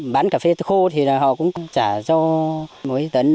bán cà phê khô thì họ cũng trả cho mỗi tấn được hai trăm linh nó cho như thế